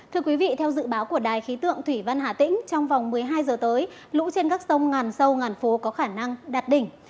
thưa quý vị theo dự báo của đài khí tượng thủy văn hà tĩnh trong vòng một mươi hai giờ tới lũ trên các sông ngàn sâu ngàn phố có khả năng đạt đỉnh